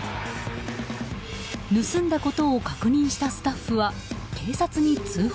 盗んだことを確認したスタッフは警察に通報。